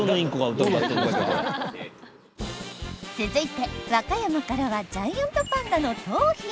続いて和歌山からはジャイアントパンダの桃浜。